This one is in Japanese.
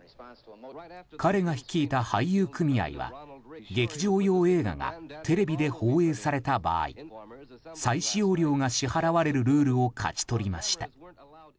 彼が率いた俳優組合は劇場用映画がテレビで放映された場合再使用料が支払われるルールを勝ち取りました。